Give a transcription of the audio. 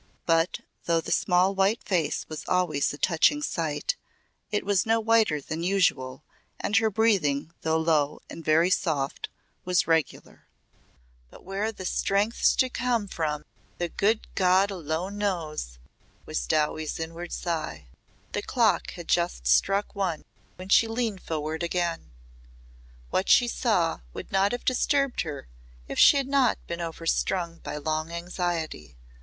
But, though the small white face was always a touching sight, it was no whiter than usual and her breathing though low and very soft was regular. "But where the strength's to come from the good God alone knows!" was Dowie's inward sigh. The clock had just struck one when she leaned forward again. What she saw would not have disturbed her if she had not been overstrung by long anxiety.